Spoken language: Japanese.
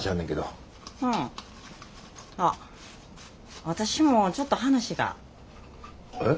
あっ私もちょっと話が。え？